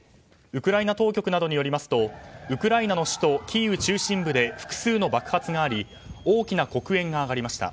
ウクライナ当局などによりますとウクライナの首都キーウ中心部で複数の爆発があり大きな黒煙が上がりました。